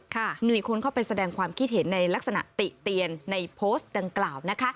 มีคนเข้าไปแสดงความคิดเห็นในลักษณะติเตียนในโพสต์ดังกล่าวนะคะ